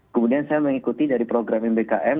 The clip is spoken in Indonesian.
kemudian saya mengikuti dari program mbkm